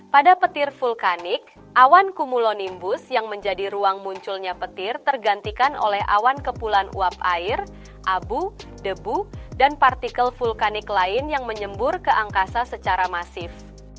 pada petir vulkanik awan cumulonimbus yang menjadi ruang munculnya petir tergantikan oleh awan kepulan uap air abu debu dan partikel vulkanik lain yang menyembur ke angkasa secara masif